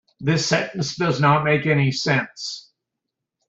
This sentence does not make any sense.